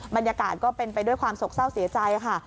บรรยากาศก็เป็นไปด้วยความโศกเศร้าเสียใจค่ะ